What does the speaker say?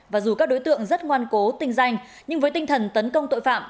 và dù các đối tượng rất ngoan cố tình danh nhưng với tinh thần tấn công tội phạm